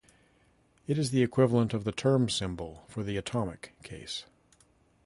It is the equivalent of the term symbol for the atomic case.